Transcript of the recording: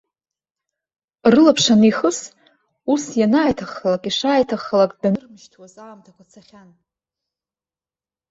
Рылаԥш анихыз, ус ианааиҭаххалак, ишааиҭаххалак данырмышьҭуаз аамҭақәа цахьан.